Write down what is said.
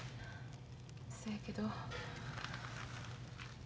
そやけど。